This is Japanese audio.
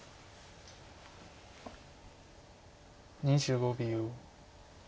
２５秒。